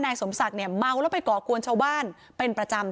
สมศักดิ์เนี่ยเมาแล้วไปก่อกวนชาวบ้านเป็นประจำ